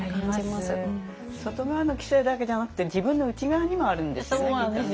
外側の規制だけじゃなくて自分の内側にもあるんですよねきっとね。